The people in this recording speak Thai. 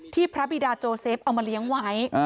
พระบิดาโจเซฟเอามาเลี้ยงไว้